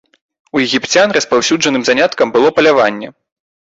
У егіпцян распаўсюджаным заняткам было паляванне.